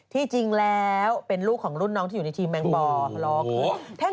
ที่จริงแล้วเป็นลูกของรุ่นน้องที่อยู่ในทีมแมงปอล